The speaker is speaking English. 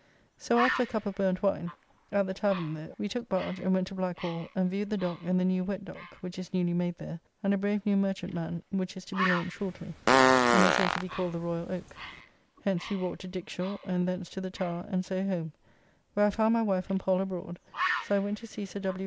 So after a cup of burnt wine [Burnt wine was somewhat similar to mulled wine, and a favourite drink] at the tavern there, we took barge and went to Blackwall and viewed the dock and the new Wet dock, which is newly made there, and a brave new merchantman which is to be launched shortly, and they say to be called the Royal Oak. Hence we walked to Dick Shore, and thence to the Towre and so home. Where I found my wife and Pall abroad, so I went to see Sir W.